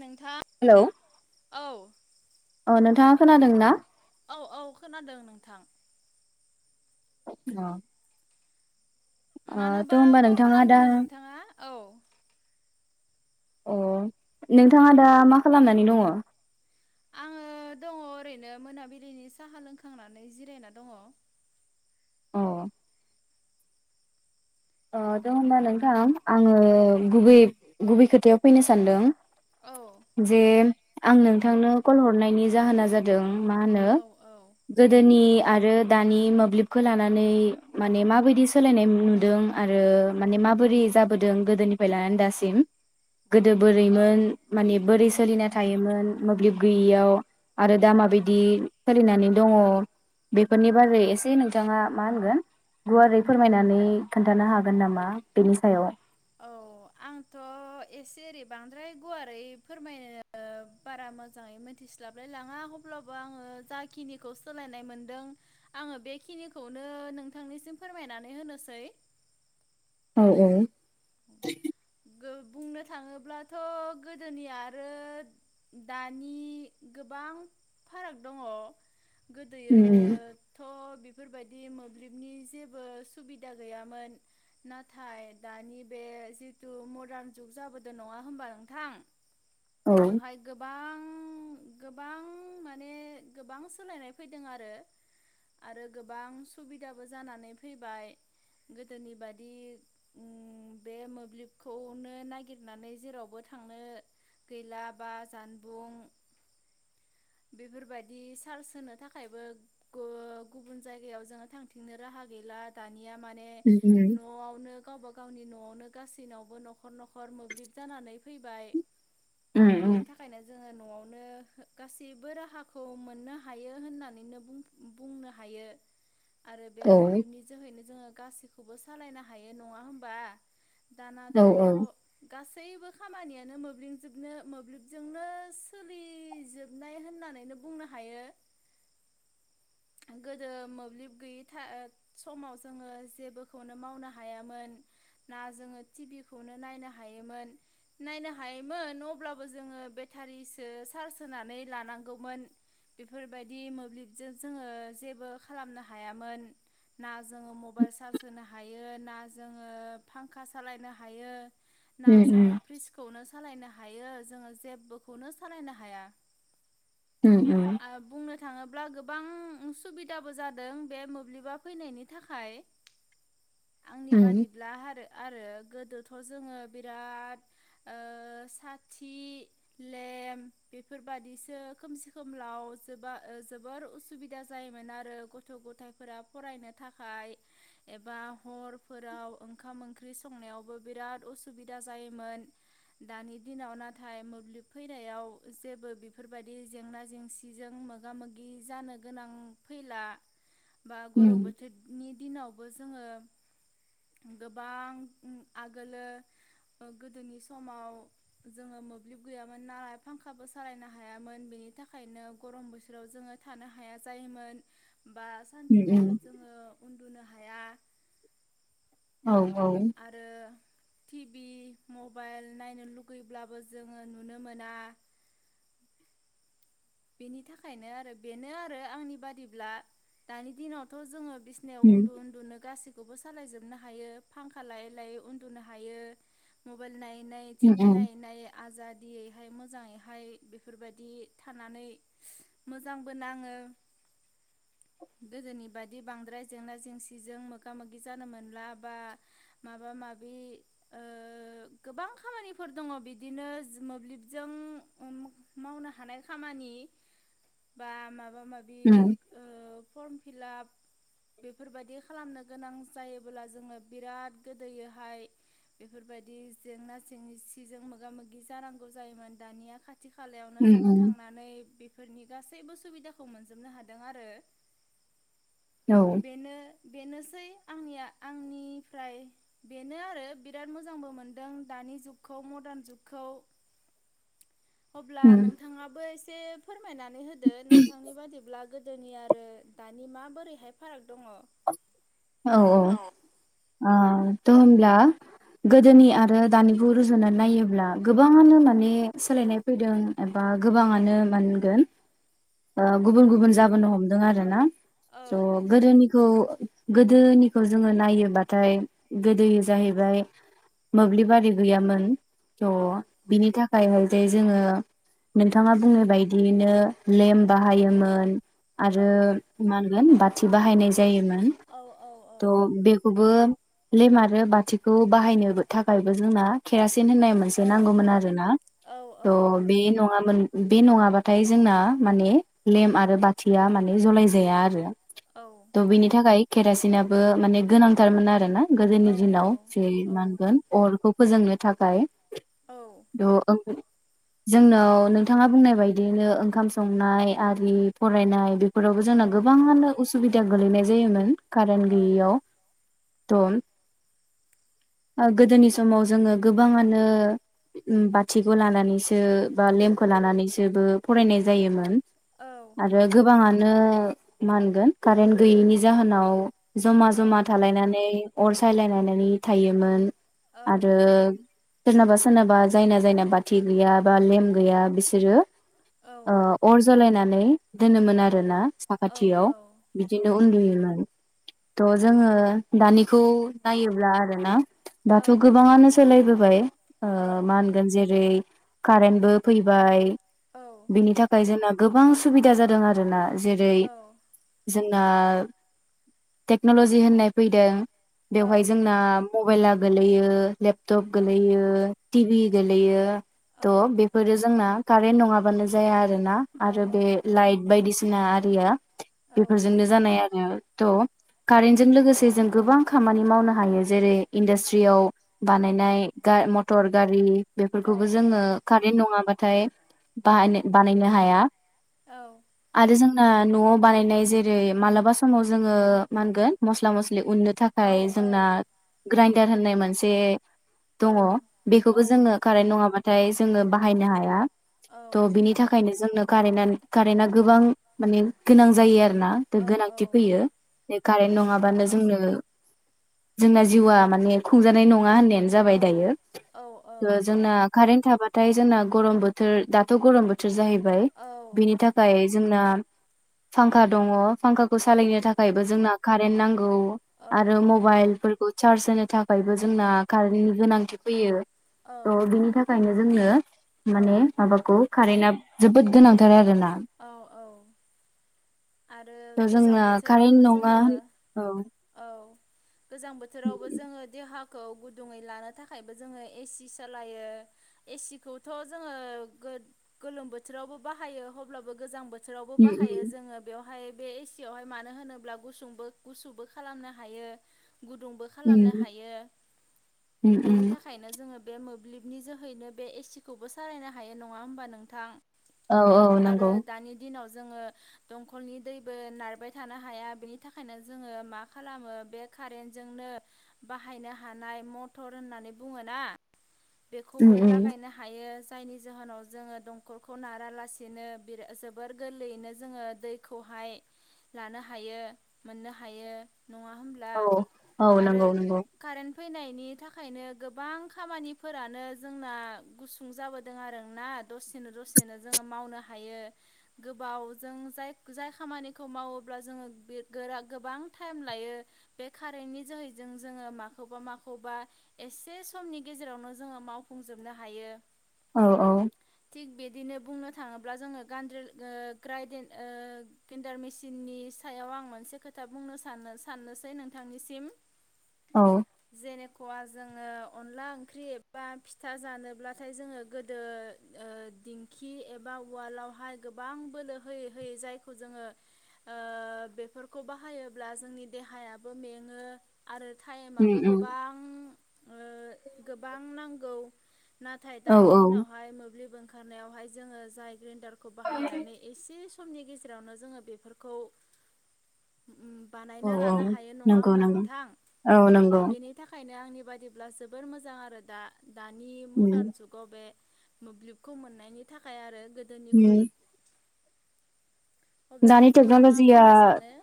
नोंथां हेलौ औ। अ नोंथाङा खोनादों ना? औ औ खोनादों नोंथां। औ मानोबा कल नोंथाङा दा खालामदोंमोन नोंथाङा? औ। अ नोंथाङा दा मा खालामनानै दङो आङो दङ ओरैनो मोनाबिलिनि साहा लोंखांनानै जिरायना दङ अ अ दं होनबा नोंथां आङो औ गुबै गुबै खोथायाव फैनो सानदों औ जे आं नोंथांनो कल हरनायनि जाहोना जादों मा होनो औ गोदोनि आरो दानि मोब्लिबखो लानानै माने माबायदि सोलायनाय नुदों आरो माने माबोरै जाबोदों गोदोनिफ्राय लानानै दासिम। गोदो औ बोरैमोन माने बोरैस सोलिना थायोमोन मोब्लिब गैयियाव आरो दा औ माबायदि सोलिनानै दङ बेफोरनि बारै एसे नोंथाङा मा होनगोन गुवारै फोरमायनानै खोन्थानो हागोन नामा बेनि सायाव? औ आंथ' एसे एरै बांद्राय गुवारै फोरमायनो बारा मोजाङै मिथिस्लाबलाय लाङा अब्लाबो आङो जाखिनिखौ सोलायनाय मोनदों आङो बेखिनिखौनो नोंथांनिसिम फोरमायनानै होनोसै। औ औ गो बुंनो थाङोब्लाथ' गोदोनि आरो दानि गोबां फाराग दङ। उम उम गोदोयोथ' बेफोरबायदि मोब्लिबनि जेबो सुबिदा गैयामोन नाथाय दानि बे जितु मदार्न जुग जाबोदो नङा होमबा नोंथां? उम बेवहाय गोबां ङ गोबां माने गोबां सोलायनाय फैदों आरो, आरो गोबां सुबिदाबो जानानै फैबाय गोदोनि बादि ओमम बे मोब्लिबखौनो नागिरनानै जेरावबो थांनो गैला बा जानबुं बेफोरबायदि चार्स होनो थाखायबो ग-गुबुन जायगायाव जोङो थांथिंनो राहा गैला दानि या माने न'आवनो गावबा गा गावनि न'आव नो गासिनावबो न'खर न'खर मोब्लिब जानानै फैबाय उम बेनि थाखायनो जों ङो न'आवनो गासैबो राहाखौ मोननो हायो होननानैनो बुं-बुंनो हायो। आरो बे औ मोब्लिबनि जोहैनो जोङो गासैखौबो सालायनो हायो नङा होमबा? औ दानाथ' औ गास गासैबो खामानियानो मोब्लिबजोबनो मोब्लिबजोंनो सोलिजोबनाय होननानैनो बुंनो हायो गोदो मोब्लिब गैयि थाइ समाव जोङो जेबोखौनो मावनो हायामोन ना जोङो तिभि खौनो नायनो हायोमोन नायनो हायोमोन अब्लाबो जोङो बेथारिसो सार्ज होनानै लानांगौमोन बेफोरबायदि मोब्लिबजों जोङो जेबो खालामनो हायामोन ना जोङो मबाइल सार्ज होनो हायो ना जोङो फांखा सालायनो हायो ना उम उम जोङो फ्रिजखौनो स सालायनो हायो जोङो जेब्बोखौनो सालायनो हाया। उम उम बुंनो थाङोब्ला गोबां सुबिदाबो जादों बे मोब्लिबा फैनायनि थाखाय। आंनि उम बादिब्लाहा आरो आरो गोदोथ' जोङो बिराद ओ साथि लेम बेफोरबादिसो खोमसि खोमलाव जोबा-जोबोर उसुबिदा जायोमोन आरो गथ' गथायफोरा फरायनो थाखाय एबा हरफोराव ओं ओंखाम ओंख्रि संनायावबो बिराद उसुबिदा जायोमोन दानि दिनाव नाथाय मोब्लिब फैनायाव जेबो बेफोरबायदि जेंना जेंसिजों मोगा मोगि जानो गोनां फैला। बा गरम बोथोरनि दिनाव बो जोङो गोबां उम आगोलो ओ गोदोनि समाव जोङो मोब्लिब गैयामोन नालाय फांखाबो सालायनो हायामोन बेनि थाखायनो गरम बोथोराव जोङो थानो हाया जायोमोन। बा उम सान्थि उम मथे जोङो उन्दुनो हाया। औ औ टि भि मबाइल नायनो लुगैब्लाबो जोङो नुनो मोना। बेनि थाखायनो आरो बेनो आरो आंनि बादिब्ला दानि दिनावथ' जोङो बिसिनायाव उम उन्दु उन्दुनो गासि खौबो सालाय जोबनो हायो फांखा लायै लायै उन्दुनो हायो मबाइल नायैनायै उम टिभि उम नायनायो आजादियैहाय मोजाङैहाय बेफोरबादि थानानै मोजांबो नाङो गोदोनि बादि बांद्राय जेंना जेंसिजों मोगा मोगि जानो मोनला बा माबा माबि ओ गोबां खामानिफोर दङ बिदिनो मोब्लिबजों ओम मावनो हानाय खामानि बा मा माबा माबिग उम औ फर्म फिलाप बेफोरबायदि खालामनो गोनां जायोब्ला जोङो बिराद गोदोयोहाय बेफोरबायदि जेंना जेंसिजों मोगा मोगि जानांगौ जायोमोन दानिया खाथ खाथि खालायावनो उम जोङो उम थांनानै बेफोरनि गासै गासै उसुबिदाखौ मोनजोबनो हादों आरो औ बेनो बेनोसै आंनिया आंनिफ्राय बेनो आरो बिराद मोजांबो मोनदों दानि जुगखौ मदार्न जुगखौ अब्ला उम नोंथाङाबो एसे एसे फोरमायनानै होदो नोंथांनि बादिब्ला गोदोनि आरो दानि माबोरैहाय फाराग दङ? औ औ अ त' होमब्ला गोदोनि आरो दानिखौ रुजुनानै नायोब्ला गोबाङानो माने सोलायनाय फैदों एबा गोबाङानो मा होनगोन ओ गुबुन गुबुन जाहोनो हम दों आरो ना औ त' गोदोनि खौ गोदोनिखौ जोङो नायोबाथाय गोदोयो जाहैबाय मोब्लिबारि गैयामोन थ' औ बिनि थाखायहाय जाय जोङो नोंथाङा बुंनाय बायदियैनो लेम्प बाहायोमोन औ आरो माहोनगोन बाथि बाहायनाय जायोमोन। औ औ थ' बेखौबो लेम आरो बाथिखौ बाहायनो थाखायबो जोंना केरासिन होननाय मोनसे औ नांगौमोन आरोना औ थह बे नङामोन बे नङाबाथाय जोंना माने लेम आरो बाथिया माने जलायजाया आरो औ थ' बिनि थाखाय केरासिनाबो माने गोनांथारमोन आरो ना औ गोदोनि दिनाव जे मानगोन अरखौ फोजोंनो थाखाय औ द ओं जोंनाव नोंथाङा बुंनाय बायदियैनो ओंखाम संनाय आरि फरायनाय बेफोरावबो औ जोंना औ गोबाङानो उसुबिदा गोलैनाय जायोमोन कारेन्ट औ गैयियाव [unintelligible] गोदोनि समाव जोङो गोबाङानो बाथिखौ लानानैसो बा लेम्पखौ लानानैसोबो फरायनाय जायोमोन औ औ औ आरो गोबाङान नो मानगोन कारेन्ट गैयैनि जाहोनाव जमा जमा थालायनानै अर सायलायलायनानै थायोमोन। आरो औ औ सोरनाबा सोरनाबा जायना जायना बाथि गैया बा लेम गैया बिसोरो ओ अर जलायनानै दोनोमोन आरोना साखाथियाव बिदिनो उन्दुयोमोन। थ जोङो दानिखौ नायोब्ला आरो ना दाथ' गोबाङानो सोलायब बाय ओ मा होनगोन जेरै कारेन्टबो फैबाय बिनि थाखाय जोंना गोबां सुबिदा जादों आरोना जेरै जोंना टेक्नलजि होननाय फैदों। बेवहाय जोंना मबाइला गोलैयो लेपटप गोलैयो टिभि गोलैयो तह बेफोरो जोंना कारेन्ट नङाबानो जाया आरो आरो औ बे लाइट बायदिसिन सिना आरिया औ बेफोरजोंनो जानाय आरो ट कारेन्टजों लोगोसे जों गोबां खामानि मावनो हायो जेरै इन्डास्ट्रियाव बानायनाय गा मटर गारि औ बेफोरखौबो जोङो कारेन्ट नङाबाथाय बाहानो बानायनो हाया। औ आरो जों ना न आव बानायनाय जेरै मालाबा समाव जोङो मागोन मस्ला म नो उनो औ थाखाय जोंना ग्रायन [unintelligible] होननाय मोनसे औ दङ बेखौबो ओं जोङो कारेन्ट नङाबा थाय जोङो बाहायनो हाया औ ओम थह बिनि थाखायनो जोंनो कारेना कारेना गोबां माने गोनां औ जायो आरोना दा औ गोनांथि फैयो कारेट नङाबा जों नो जोंना जिउआ मान खुंजानाय नङा नोंथाङा होनाययानो जाबाय दायो औ औ ओ जों कारेनट थाबाथाय जोंना गरम बोथोर दाथ गरम बोथोर जाहैबाय बाय बिनि थाखाय जोंना फांखा दङ फांखाखौ औ सालायनो थाख जोंना कारेन्ट नांगौ आरो मबाइलफोरखौ चार्ज होनो थाखायबो जोंना कारेन्टनि गोनांथि फैयो। त' बिनि थाखायनो जोंनो माने माबाखौ कारेन्टआ जोबोद गोनांथार आरो ना औ औ आरो थ' गोजां जोंना बोथोर कारेन्ट थोरावबो नङा जोंङो औ औ गोजां बोथोरावबो जोङो देहा खौ गुदुङै लानो थाखायबो जोङो एसि सालायो एसि खौथ जोङो गोलोम बोथोरावबो बाहायो अब्लाबो गोजां बोथ- थोरावबो उम उम बाहायो जोङो बेयाव हाय बे एसि आवहाय मानो होनोब्ला गुसुंबो गुसुबो खालामनो हायो। गुदुंबो खालामनो उम हायो उम उम बेनि थाखायनो जोङो बे मो ब्लिबनि जोहैनो बे एसि खौबो सालायनो हायो नङा होमबा नोंथां। औ औ आरो नंगौ दानि दिनाव जोङो दंखलनि दैबो नारबाय थानो हाया बेनि थाखायनो जोङो मा खालामो बे कारेन्टजोंनो बाहायनो हानाय मटर होननानै बुङो ना उम बेखौबो उम लागायनो हायो जायनि जाहोनाव जोंङो दंखलखौ नारालासि [unintelligible] जोबोर गोरलैयैनो जोङो दैखौहाय लानो हायो मोननो हायो। नङा होमब्ला औ औ आरो नंगौ नंगौ कारेन्ट फैनायनि थाखायनो गोबां खामानिफोरानो जोंना गुसुं जाबोदों आरो ना दसेनो दसेनो जों जो मावनो हायो गोबाव जों जाय जाय खामानिखौ मावोब्ला जोङो गोरा गोबां टाइम लायो बे कारेन्टनि जोहैजों जोङो माखौबा माखौबा एसे समनि गेजेरावनो जोङो मावफुंजोबनो हायो औ औ थिग बिदिनो बुंनो थाङोब्ला जोङो गान्द्रि ओ ग्रायदिन ओ ग्रिन्दार मेसिननि सायाव आं मोनसे खोथा बुंनो सानो साननोसै नोंथांनिसिम औ जेनेख जोङो अनला ओंख्रि एबा फिथा जानोब्लाथाय जोङो गोदो दिंखि एबा बा उवालावहाय गोबां बोलो होयै होयै जायखौ जोङो ओ बेफोरखौ बाहायोब्ला जोंनि देहायाबो मेङो आरो उम टाइमाबो उम गोबां ओ गोबां नांगौ नाथाय औ दानि औ दिनावहाय मोब्लिब ओंखारनायावहाय जोङो जाय ग्रिनदार खौ बाहायनानै एसे समनि गेजेरावनो जोङो बेफोरखौ। औ बानायना औ लानो हायो नङा नंगौ होमबा नंगौ नोंथां औ नंगौ बेनि थाखायनो आंनि बाददिब्ला जोबोर मोजां आरो दा दानि उम मदार्न जुगाव बे मोब्लिबखौ मोननायनि थाखाय आरो। गोदोनिख्रुइ उम अब्ला दानि नोंथाङा मा टेक्न'लजिया बुंनो सानो?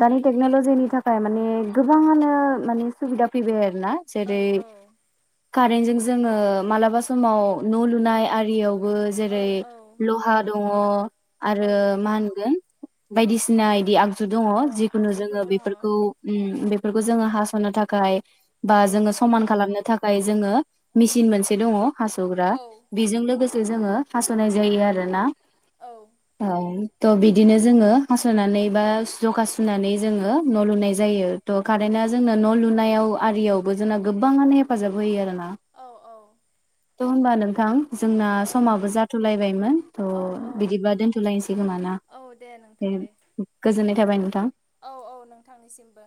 दानि टेक्नलजिनि थाखाय माने गोबाङानो माने सुबिदा फैबाय आरो। ना औ जेरै औ कारेनजों जोङो मालाबा समाव न' लुनाय आरियाव बो औ जेरै औ लहा दङ आरो औ मा होनगोन बायदिसिना बिदि आगजु दङ अ जिखुनु आगजुफोर जोङो दङ औ बेफोरखौ उम। बेखौ जोङो हास'नो थाखाय बा जोङो औ समान खालामनो थाख थाखाय जोङो मेसिन मोनसे दंङ। हास'ग्रा औ बेजों लोगोसे ज-जोङो हास नाय जायो आरो ना। औ। थ बिदिनो जोङो हास नानै बा जखा सुनानै जोङो न लुनाय जायो थ कारेन्टआ जोंनो न लुनायाव आरियावबो जोंना गोबाङानो हेफाजाब होयो आरो ना औ औ। थ होनबा नोंथां। जोंना औ समाबो जाथ'लायबायमोन थ' औ औ बिदिबा दोनथ'लायनोसै खोमाना ना? औ दे नोंथां ओम दे गोजोननाय नोंथां औ औ नोंथांनिसिमबो।